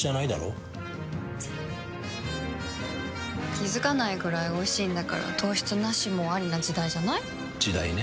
気付かないくらいおいしいんだから糖質ナシもアリな時代じゃない？時代ね。